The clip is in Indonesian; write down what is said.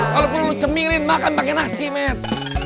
walaupun lo cemirin makan pake nasi mehmet